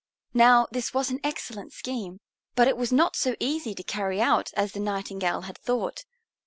Now this was an excellent scheme, but it was not so easy to carry it out as the Nightingale had thought.